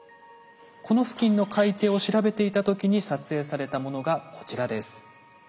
この付近の海底を調べていた時に撮影されたものがこちらです。